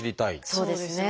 そうですね。